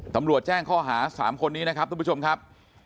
ตำรวจแจ้งข้อหา๓คนนี้นะครับทุกผู้ชมครับ